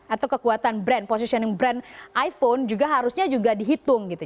atau kekuatan brand positioning brand iphone juga harusnya juga dihitung gitu